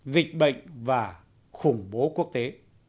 dịch bệnh và khủng bố quốc tế